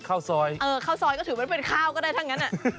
เออข้าวซอยก็ถือเป็นข้าวก็ได้ทั้งนั้น